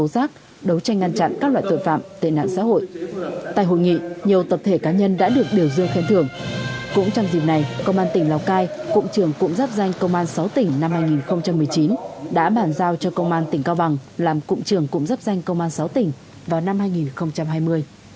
và các cơ thể cá nhân đã được biểu dương khen thưởng cũng trong dịp này công an tỉnh lào cai cụng trưởng cụng giáp danh công an sáu tỉnh năm hai nghìn một mươi chín đã bản giao cho công an tỉnh cao bằng làm cụng trưởng cụng giáp danh công an sáu tỉnh vào năm hai nghìn hai mươi